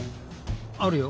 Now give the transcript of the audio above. あるよ。